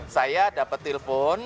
saya dapet telepon